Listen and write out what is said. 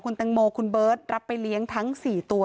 แล้วมันกลายเป็นข่าว